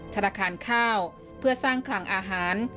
ธนาคารข้าวเพื่อสร้างคลังอาหาร